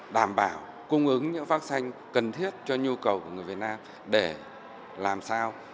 đảm bảo cung ứng những vaccine cần thiết cho nhu cầu của người việt nam để làm sao